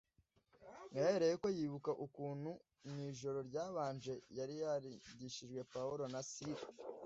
Yahereyeko yibuka ukuntu mu ijoro ryabanje yari yarindishijwe Pawulo na Sira,